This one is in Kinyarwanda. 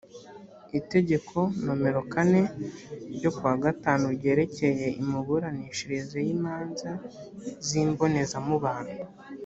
itegeko nomero kane ryo ku wa gatanu ryerekeye imiburanishirize y imanza z imbonezamubano